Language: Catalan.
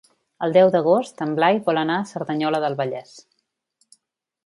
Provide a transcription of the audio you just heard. El deu d'agost en Blai vol anar a Cerdanyola del Vallès.